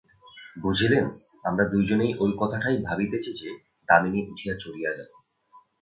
বুঝিলেন, আমরা দুইজনে ঐ কথাটাই ভাবিতেছি যে, দামিনী উঠিয়া চলিয়া গেল।